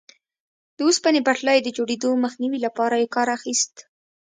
د اوسپنې پټلۍ د جوړېدو مخنیوي لپاره یې کار اخیست.